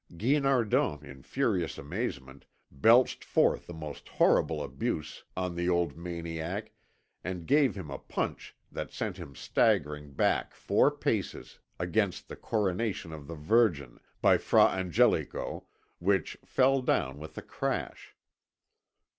Guinardon, in furious amazement, belched forth the most horrible abuse on the old maniac and gave him a punch that sent him staggering back four paces against the Coronation of the Virgin, by Fra Angelico, which fell down with a crash.